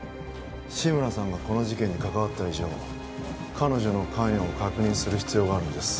志村さんがこの事件に関わった以上彼女の関与を確認する必要があるんです